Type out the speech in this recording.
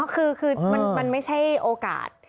คือมันไม่ใช่โอกาส